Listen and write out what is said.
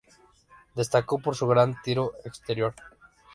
Destacó por su gran tiro exterior.